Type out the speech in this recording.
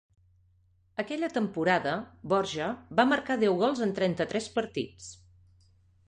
Aquella temporada, Borja va marcar deu gols en trenta-tres partits.